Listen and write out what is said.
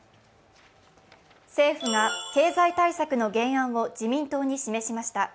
政府が経済対策の原案を自民党に示しました。